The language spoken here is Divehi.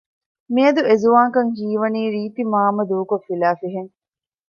މިއަދު އެ ޒުވާންކަން ހީވަނީ ރީތިމާމަ ދޫކޮށް ފިލައިފިހެން